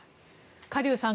カ・リュウさん